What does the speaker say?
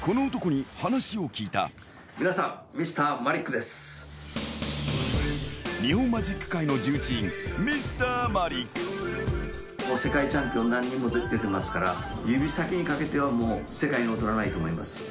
皆さん、日本マジック界の重鎮、世界チャンピオン、何人も出ていますから、指先にかけては世界に劣らないと思います。